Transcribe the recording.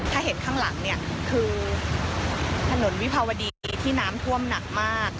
ถ้าเห็นข้างหลังเนี่ยคือถนนวิภาวดีที่น้ำท่วมหนักมาก